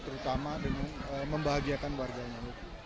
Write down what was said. terutama dengan membahagiakan warganya